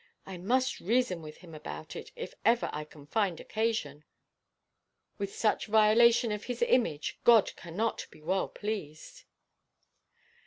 I must reason with him about it, if I ever can find occasion. With such violation of His image, God cannot be well pleased."